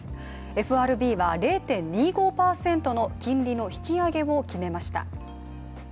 ＦＲＢは０．２５％の金利の引き上げを決めました。